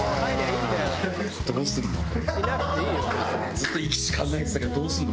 ずっと行きしな考えてたけどどうすんの？